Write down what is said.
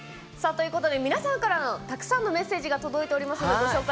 皆さんがたくさんのメッセージが届いています。